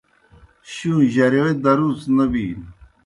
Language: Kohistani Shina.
شُوں جرِیوئے درُوڅ نہ بِینوْ